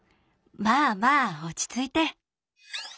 まあまあ落ち着いて。